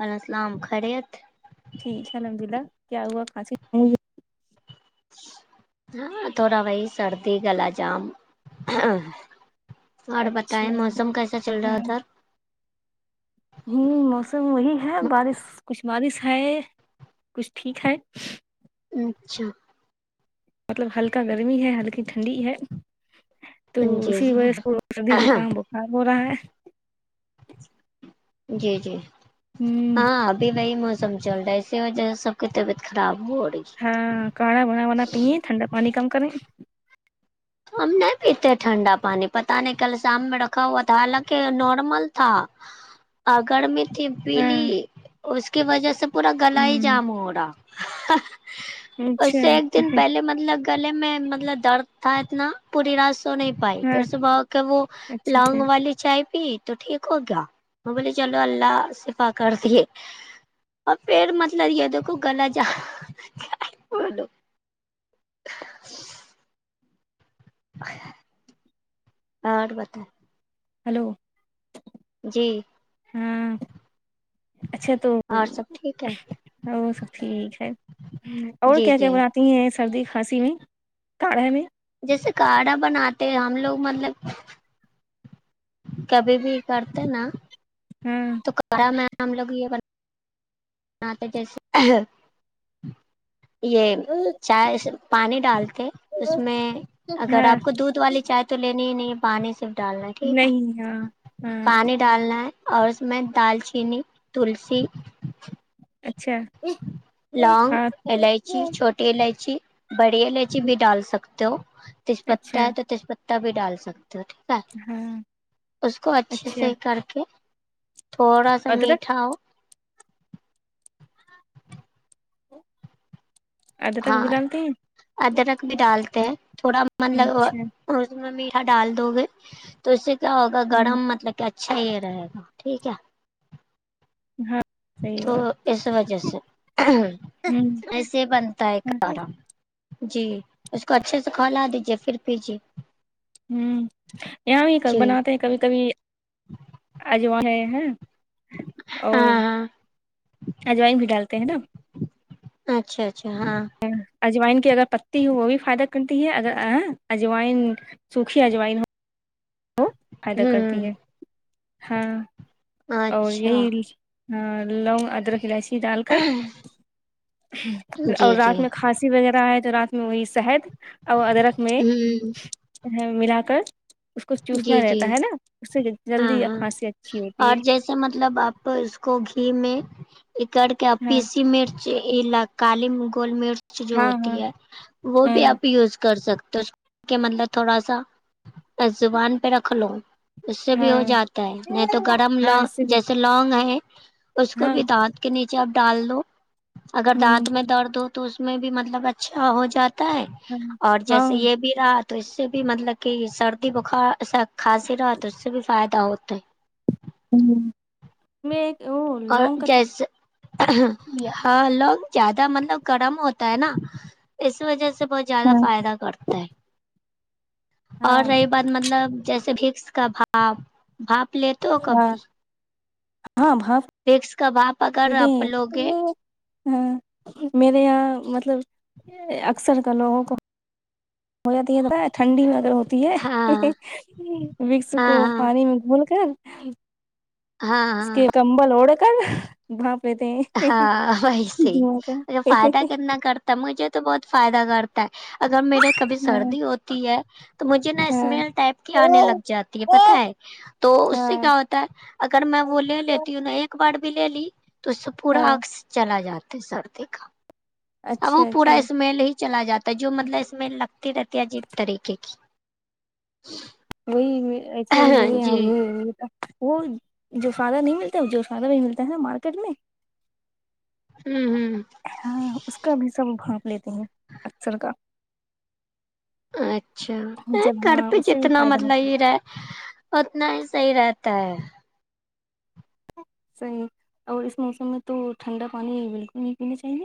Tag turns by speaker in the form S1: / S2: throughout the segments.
S1: وال السلام خریت
S2: ٹھیک ہے الحمد اللہ کیا ہوا
S1: ہاں تھوڑا وہی سردی گلا جام اور
S2: اچھا
S1: بتائیں موسم کیسا چل رہا
S2: ہاں
S1: ادھر
S2: ہوں موسم وہی ہے بارش کچھ بارش ہے کچھ ٹھیک ہے
S1: اچھا
S2: مطلب ہلکا گرمی ہے ہلکی ٹھنڈی ہے تو
S1: جی
S2: اسی وجہ سے سب کو سردی جکام
S1: جی
S2: بخار ہو رہا ہے
S1: جی جی
S2: ہوں
S1: ہاں ابھی وہی موسم چل رہا ہے اسی وجہ سے سب کی طبیعت خراب ہو رہی ہے
S2: ہاں کاڑا بنا ونا پیے تھٹنڈا پانی کم کر رہیں
S1: ہم نہیں پیتے ٹھنڈا پانی پتا نہیں کل شام میں رکھا ہوا تھا حالانکہ نارمل تھا آگرڑ میں
S2: ہاں
S1: پیلی اس کی وجہ سے پورا گل ہی
S2: ہوں
S1: جام ہو رہا اس
S2: اچھا
S1: سے ایک دن پہلے مطلب گلے میں مطلب درد تھا اتنا پوری رات سو نہیں بائک
S2: ہاں
S1: صبح کے وہ
S2: اچھا اچھا
S1: لانگ والی چائے پیٹ تو ٹھیک ہو گیا میں بولی چلو اللہ شفا کر دیے اور پھر مطلب یہ دیکھو گلا جہ ہاں اور بتائیں
S2: ہلو
S1: جی
S2: ہاں اچھا تو
S1: اور سب ٹھیک ہے
S2: وہ سب ٹھیک ہے اور
S1: جی
S2: کیا کیا
S1: جی
S2: بنا ہیں سردی کھانسی میں کاڑھا میں
S1: جیسے کاڑھا بناتے ہم لوگ مطلب کبھی بھی کرتے نا
S2: ہاں
S1: تو کرا میں ہم لوگ یہ ورک آ تو جیسے یہ چائے پانی ڈالتے اس میں اگر
S2: ہاں
S1: آپ کو دودھ والی چائے تو لینی ہی نہیں ہے پانی صرف ڈالنا ٹھیک ہے
S2: نہیں ہاں ہاں
S1: پانی ڈالنا ہے اور اس میں دال چینی تلسی
S2: اچھا
S1: لانگ
S2: ہاں
S1: الائچی چھوٹی الائچی بڑی الائچی بھی ڈال سکتے ہو تس پتتا
S2: اچھا
S1: ہے تو تس پتہ بھی ڈال سکتا تو ٹھیک ہے
S2: ہاں
S1: اس کو اچھے
S2: اچھا
S1: سے کر کے تھوڑا سا
S2: ادرک
S1: میٹھا ہو
S2: ادرک بھی
S1: ہاں
S2: ڈالتے ہیں
S1: ادرک بھی ڈالتے ہیں تھوڑا مطلب
S2: اچھا
S1: اور اس میں میٹھا ڈال دو گے تو اس سے کیا ہوگا
S2: ہوں
S1: گرم مطلب کیا اچھا یے رہے گا ٹھیک ہے
S2: ہاں صحیح
S1: تو
S2: بات
S1: اس وجہ سے
S2: ہوں
S1: ایسے بنتا ہے کارا جی اس کو اچھے سے کھلا دیجے پھر پجی
S2: ہوں یہاں بھی ک
S1: جی
S2: بناتے ہیں کبھی کبھی اجو ہے ہیں اور
S1: ہاں
S2: ہجوائ بھی ڈالتے ہیں نا
S1: اچھا اچھا ہاں
S2: جوائن کی اگر پتی ہو وہ بھی فائدہ کرتی ہے اگر اے اجوائن سوکھی اجائائین ہوں فائدہ
S1: ہوں
S2: کرتی ہے ہاں اور
S1: اچھا
S2: یہی لونگ ادرک الائچی ڈال کر
S1: جی
S2: اور
S1: جی
S2: رات میں کھاسی تی وغیرہ ہے تو رات میں وہی شہد اور ادرک میں
S1: ہوں
S2: ملا کر اس کو چوسنا
S1: جی جی
S2: رہتا ہے نا اس سے جلدی کھانسی اچھی ہوتی ہے
S1: اچھا مطلب آپ اس کو گھی میں اکڑ کے آپ
S2: ہاں
S1: پیسی مرچ چی کالی گول مرچ جو
S2: ہاں ہاں
S1: ہوتی ہے وہ بھی
S2: ہاں
S1: آپ یوز کر سکتے ہو کہ مطلب تھوڑا سا زبان پے رکھ لو اس سے بھی ہو جاتا ہے نہیں تو
S2: ہاں
S1: گرم
S2: ہاں
S1: لو
S2: اس سے بھی
S1: جیسے لونگ ہے اس کو
S2: ہاں
S1: بھی دانت کے نیچے آپ ڈال دو اگر
S2: ہ
S1: دانت میں درد ہو تو تو اس میں بھی مطلب اچھا ہو جاتا ہے
S2: ہاں
S1: اور جیسے
S2: ہاں
S1: یے بھی رہا تو اس سے بھی مطلب کی سردی بخارا سا کھانسی رہا تو اس سے بھی فائدہ ہوتا ہے
S2: ہمم [unintelligible]
S1: اور
S2: لیا
S1: جیسےحلق زیادہ مطلب گرم ہوتا ہے نا اس وجہ سے بہت زیادہ
S2: ہاں
S1: فائدہ کرتا ہے اور
S2: ہاں
S1: رہی بات مطلب جیسے بکس کا بھ آپ بھاپ لیتے ہو کبھی
S2: ہاں بھانپ
S1: وکس کا بھانپ آپ اگر آپ لوگے
S2: ہاں میرے یہاں مطلب اکثر کا لوگوں کو ہو جاتی ہے ٹنڈی میں اگر ہو تی ہے
S1: ہاں
S2: وکس کو
S1: ہاں ہاں
S2: پانی میں گھول کر
S1: ہاں
S2: اس
S1: ہاں
S2: کے کمبل اوڑھ کر بھانپ لیتے ہیں
S1: ہاں ویسے
S2: دھواں کا
S1: ہی جو فائدہ کتنا کرتا مجھے تو بہت فائدہ کرتا تا ہے اگر میرے کبھی
S2: ہاں
S1: سردی ہوتی ہے تو مجھے نا
S2: ہاں
S1: اسمیل ٹائپ کی آنے لگ جاتی ہے پتہ ہے تو اس سے
S2: ہاں
S1: کیا ہوت تا ہے اگر میں وہ لے لیتی ہوں نہ ایک بار بھی لے لی تو اس سے پورا
S2: ہاں
S1: اکس چلا جاتا سردی کا اب وہ
S2: اچھا
S1: پورا
S2: اچھا
S1: اسمیل ہی چلا جاتا جو مطلب اسمیل لگتی رہتی ہے عجیب طریقے کی
S2: وہی ایسے ہی میرے
S1: جی
S2: یہاں بھی وہی ہوں تا ہے وہ جوشادہ نہیں ملتا ہے جو شادہ نہیں ملتا ہے نا مارکیٹ میں
S1: ہمم ہمم ہمم
S2: ہاں اس کا بھی سب بھانپ لیتے ہیں اکثر کا
S1: اچھا
S2: جب
S1: گھر
S2: ہاں
S1: پے
S2: اس سے بھی
S1: جتنا
S2: فائدہ
S1: مطلب
S2: ہوتا ہے
S1: یے رہے اتنا ہی صحیح رہتا ہے
S2: صحیح اور اس موسم میں تو ٹھنڈا پانی بالکل نہیں پینے چاہیے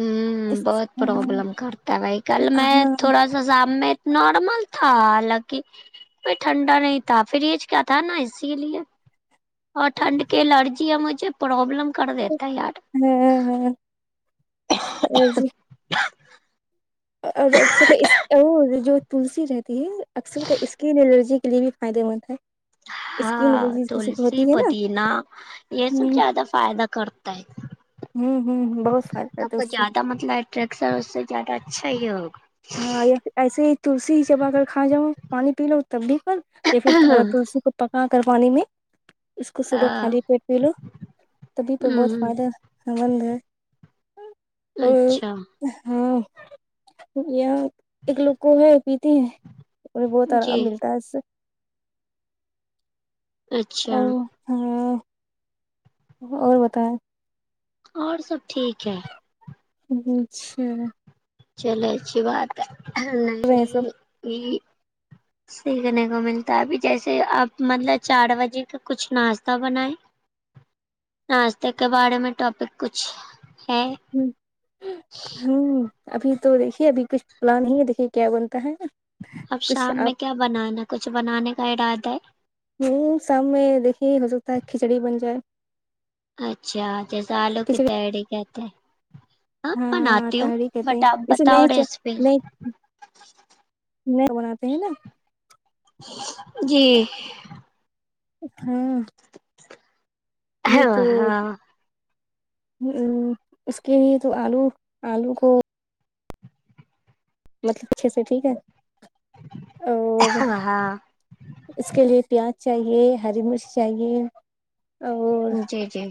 S1: آمم
S2: اور
S1: بہت پروابلم کرتا ہے وہی بھائی کل میں تھوڑا سزاب میں نارمل تھا حالانکہ کوئی ٹھنڈا نہیں تھا فریج کیا تھا ناں اسی لیے اور ٹھنڈ کے الرجی ہے مجھے پروابلم کر دیتا ہے یار
S2: ہوں ہ [unintelligible] اور اکثر اس کا وہ جو تلسی رہتی ہے اکثر کا اسکن الرجی کے لیے بھی فائدے مند ہے
S1: ہاں
S2: اسکن
S1: ہاں
S2: الرجی کسی کو
S1: تلسی
S2: ہوتی ہے نا
S1: پدینہ یے
S2: ہ
S1: سب زیادہ فائدہ کرتا ہے
S2: ہوں ہوں بہت فائدہ تھا اس سے
S1: ٹریکسر اس سے زیادہ اچھا ہی ہوگا
S2: ہاں یا ایسے ہی تلسی ہی جب اگر کھا جاؤ پانی پی لو تب بھی کر یا پھر تلسی کو پکا کر پانی میں اس کو صبح
S1: ہاں
S2: خالی پیٹ پی لو تبھی بھی
S1: ہ
S2: بہت فائدہ بند ہے اور
S1: اچھا
S2: ہاں یہاں ایک لوگ کو ہے پیتے ہیں انہیں بہت
S1: جی
S2: آرام ملتا ہے اس سے
S1: اچھا
S2: ہوں اور بتائیں
S1: اور سب ٹھیک ہے
S2: جی اچھا
S1: چلے اچھی بات ہے
S2: رہے سب
S1: نہیں یہ سیکھنے کو ملتا ہے ابھی جیسے آپ مطلب چار بجے کا کچھ ناشتہ بنائیں ناشتے کے بارے میں ٹاپک کچھ ہے
S2: ہ ہوں ابھی تو دیکھیے ابھی کچھ پلان نہیں ہے دیکھیے کیا بنتا ہے
S1: اب
S2: کچھ
S1: شام میں
S2: آپ
S1: کیا بنانا کچھ بنانے کا ارادہ ہے
S2: ہوں شام میں دیکھیے ہو سکتا ہے کھچڑی بن جائے
S1: اچھا جیسے آلو کی
S2: کھچڑی
S1: تہری کہتے ہیں
S2: ہاں
S1: بناتی ہوں
S2: تہری کہتے ہیں
S1: بٹ آپ
S2: جسے
S1: بتاؤ
S2: نہیں
S1: ریسیپی
S2: نہیں نہیں بناتے ہیں نا
S1: جی
S2: ہاں یہ تو
S1: ہاں
S2: ہم اس کے ہی تو آلو آلو کو مطلب اچھے سے ٹھیک ہے اور
S1: ہاں
S2: اس کے لئے پیاز چاہیے ہری مرچ چاہیے اور
S1: جی جی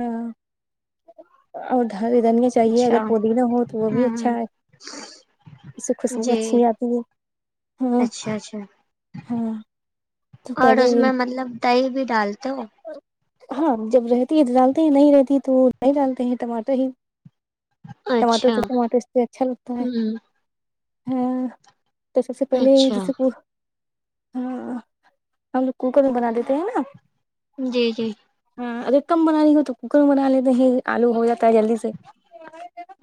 S2: ہاں اور دھ دانیاں چاہیے اگر
S1: اچھا ہوں
S2: پودینہ ہو تو وہ بھی اچھا ہے اس سے خوشبو
S1: جی
S2: اچھی آتی ہے ہاں
S1: اچھا اچھا
S2: ہاں تو
S1: اور
S2: پہلے
S1: اس میں مطلب دہی بھی ڈالتے ہو
S2: ہاں جب رہتی ہے تو ڈالتے ہیں نہیں رہتی تو نہیں ڈالتے ہیں ٹماٹر ہی ٹماٹر
S1: اچھا
S2: تو ٹماٹر اس میں اچھا لگتا ہے
S1: ہوں
S2: ہاں تو سب سے پہلے
S1: اچھا
S2: جیسے کہ ہاں ہم لوگ کوکر میں بنا دیتے ہیں نا
S1: جی جی
S2: ہاں اگر کم بنارے ہو تو کوکر میں بنا لیتے ہے آلو ہو جاتا ہے جلدی سے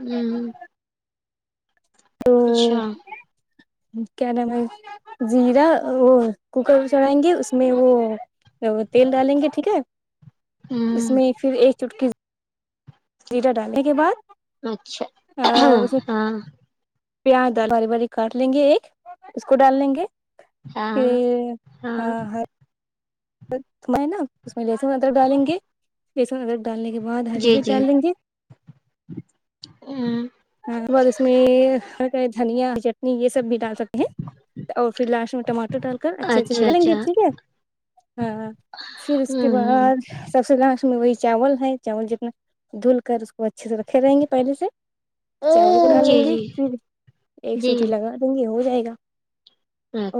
S1: ہوں اچھا
S2: تو کیا نام ہے زیرا وہ کوکر پہ چڑھائیں گے اس میں وہ تو وہ تیل ڈالیں گے ٹھیک ہے
S1: ہوں
S2: اس میں پھر ایک چٹکی زیرہ ڈالنے کے بعد
S1: اچھا
S2: اس میں
S1: ہاں
S2: پیاز بڑی والی کاٹ لیں گے ایک اس کو ڈال لیں گے
S1: ہاں
S2: پ ہاں ہر اس میں ہے نا اس میں لہسن ادرک ڈالیں گے لہسن ادرک ڈالنے کے بعد ہری بھی ڈال لیں گے
S1: ھمم
S2: ہاں اس میں دھنیا چٹنی یہ سب بھی ڈال سکتے اور پھر لاسٹ میں ٹماٹر ڈال کر اچھے سے
S1: اچھا
S2: ملا لیں گے
S1: اچھا
S2: ٹھیک ہے ہاں پھر اس کے
S1: ہوں
S2: بعد سب سے لاسٹ میں وہی چاول ہے چاول جتنا دھل کر اس کو اچھے سے رکھے رہیں گے پہلے سے چاول پکا
S1: جی
S2: لیں گے
S1: جی
S2: پھر ایک
S1: جی
S2: سیٹی لگا دیں گے ہو جائے گا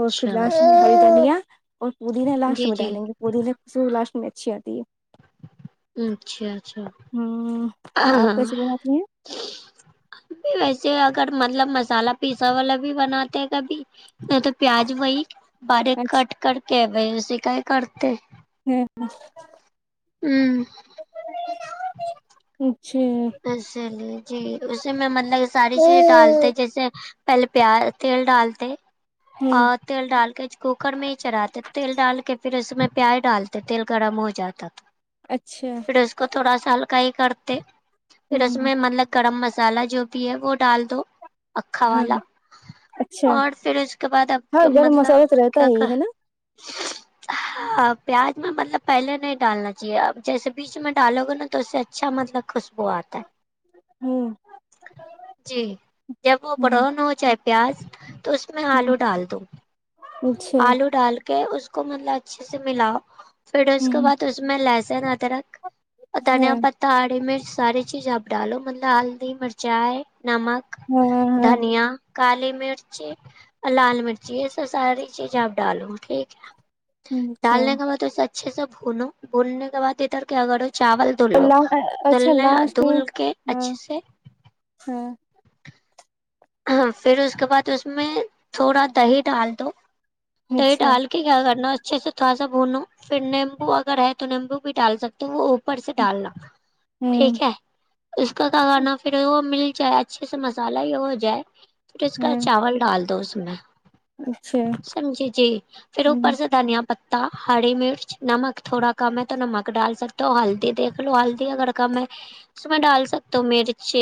S2: اور پھر لاسٹ میں ہری دھنیا اور پودینا لاسٹ
S1: جی
S2: میں
S1: جی
S2: ڈالیں گے پودینے کی خوشبو لاسٹ میں اچھی آتی ہے
S1: اچھا اچھا
S2: ہوں
S1: ہاں
S2: آپ
S1: ہاں
S2: کیسے بناتی ہیں
S1: ویسے اگر مطلب مسالہ پیسا والا بھی بناتے ہیں کبھی میں تو پیاز وہی باریک
S2: اچھا
S1: کٹ کر کے اس کا ہے کرتے
S2: ہوں
S1: ہمم
S2: اچھے
S1: اسی لیے جی اس میں مطلب ساری چیزیں ڈالتے جیسے پہلے پیاز تیل ڈالتے
S2: ہوں
S1: اور تیل ڈال کے کوکر میں ہی چرھاتے تیل ڈال کے پھر اس میں پیاز ڈالتے تیل گرم ہو جاتا [unintelligible]
S2: اچھا
S1: پھر اس کو تھوڑا سا ہلکاہی کرتے پھر اس
S2: ہوں
S1: میں مطلب گرم مسالہ جو بھی ہے وہ ڈال دو اکھا
S2: ہاں
S1: والا
S2: اچھا
S1: اور پھر اس کے بعد اب
S2: ہاں گرم
S1: مطلب
S2: مسالہ تو رہتا
S1: کیا
S2: ہی
S1: کر
S2: ہے نا
S1: [unintelligible] ہا پیاز میں مطلب پہلے نہیں ڈالنا چاہیے اب جیسے بیچ میں ڈالو گے نا تو اس سے اچھا مطلب خوش وہ آتا
S2: ہوں
S1: ہے جی جب وہ
S2: ہوں
S1: برون ہو چاہے پیاز تو اس میں
S2: ہوں
S1: آلو ڈال دو
S2: اچھا
S1: آلو ڈال اس کو مطلب اچھے سے ملاؤ پھر اس کے
S2: ہوں
S1: بعد اس میں لہسن ادرک اور دھنیا
S2: ہاں
S1: پتا ہری مرچ ساری چیز آپ ڈالو مطلب ہلدی مرچی نمک
S2: ہاں ہاں
S1: دھنیا کالی مرچی اور لال مرچی جی یہ ساری چیزیں آپ ڈالو ٹھیک ہے
S2: اچھا
S1: ڈالنے کے بعد اسے اچھے سے بھونو بھوننے کے بعد ادھر کیا کرو چاول دھل لو
S2: لا اچھا
S1: دھلنے
S2: لاسٹ میں
S1: دھل کے
S2: ہاں
S1: اچھے سے
S2: ہاں
S1: ہاں پھر اس کے بعد اس میں تھوڑا دہی ڈال دو دہی
S2: اچھا
S1: ڈال کیا کرنا اچھے سے تھوڑا بوھونو پھر نیمبو اگر ہے تو نیمبو بھی ڈال سکتے وہ اوپر سے ڈالنا
S2: ہوں
S1: ٹھیک ہے اس کا کیا کرنا پھر وہ مل جائے اچھے سے مسالہ ہی وہ جائے پیس کر
S2: ہاں
S1: چاول ڈال دو اس میں
S2: اچھا
S1: سمجھی جی پھر اوپر سے دھنیا پتا ہری مرچ نمک تھوڑا کم ہے تو نمک ڈال سکتے ہو ہلدی دیکھ لو ہلدی اگر کم ہے اس میں ڈال سکتا ہوں مرچ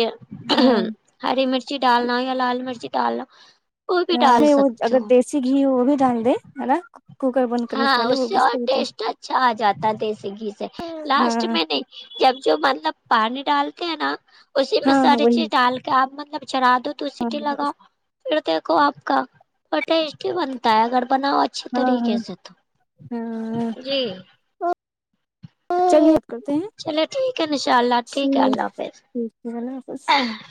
S2: ہاں
S1: ہری مرچی ڈالنا یا لال مرچی ڈالنا وہ بھی
S2: ہاں اپ
S1: ڈال
S2: نے وہ
S1: سکتے
S2: اگر
S1: ہو
S2: دیسی گھی ہو وہ بھی ڈال د ہے نا کوکر بند کرنے
S1: ہاں
S2: پہلے
S1: اس
S2: وہ
S1: سے اور
S2: کا بھی
S1: ٹیسٹ اچھا آ جاتا د یسی گھی سے
S2: ہاں
S1: لاسٹ
S2: ہاں
S1: میں نہیں جب جو مطلب پانی ڈالتے ہیں نا اسی میں
S2: ہاں
S1: ساریے چیز
S2: وہی
S1: ڈال کیا آپ مطلب چرا دو تو سٹی
S2: ہاں
S1: لگاؤ پھر دیکھو آپ کا اور ٹیسٹی بنتا ہے اگر بناؤ اچھی
S2: ہاں
S1: طریقے سے تو جی
S2: ہاں چلے
S1: چلے ٹھیک ہے انشاء اللہ ٹھیک ہے اللہ حافظ
S2: ٹھیک ہے اللہ حافظ
S1: [unintelligible]